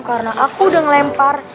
karena aku udah ngelempar